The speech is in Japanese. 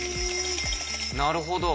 なるほど。